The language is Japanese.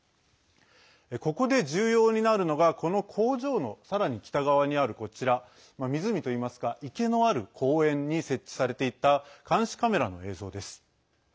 ここで重要になるのがこの工場の、さらに北側にあるこちら、湖といいますか池のある公園に設置されていた監視カメラの映像です。